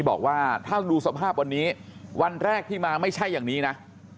บอกว่าถ้าดูสภาพวันนี้วันแรกที่มาไม่ใช่อย่างนี้นะ